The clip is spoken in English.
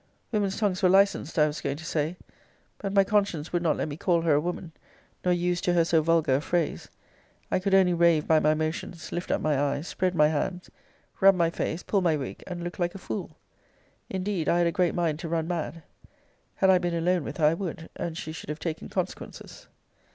Women's tongues were licensed, I was going to say; but my conscience would not let me call her a woman; nor use to her so vulgar a phrase. I could only rave by my motions, lift up my eyes, spread my hands, rub my face, pull my wig, and look like a fool. Indeed, I had a great mind to run mad. Had I been alone with her, I would; and she should have taken consequences.